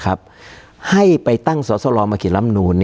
การแสดงความคิดเห็น